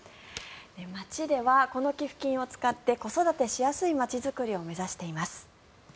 街では、この寄付金を使って子育てしやすい町づくりを目指しています。